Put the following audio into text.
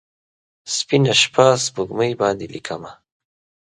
سپینه شپه، سپوږمۍ باندې لیکمه